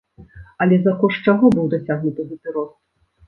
Але за кошт чаго быў дасягнуты гэты рост?